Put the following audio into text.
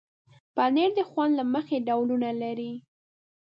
پنېر د خوند له مخې ډولونه لري.